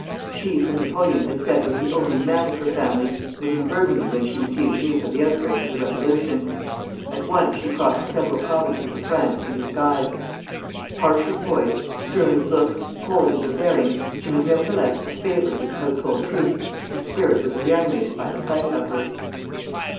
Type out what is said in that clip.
She, whom Napoleon had said was the only man of her family, was in Burgundy when she received news of the outbreak of the Revolution. At once she crossed several provinces of France in disguise. Harsh of voice, stern of look, cold in her bearing, she was nevertheless a favorite with the household troops whose spirit was reanimated by the sight of her.